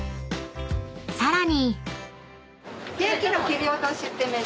［さらに］